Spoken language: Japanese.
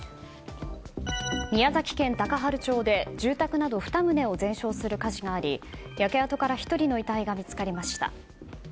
宮崎県高原町で、住宅など２棟を全焼する火事があり焼け跡から１人の遺体が見つかりました。